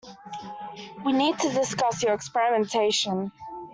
We need to discuss your experimentation.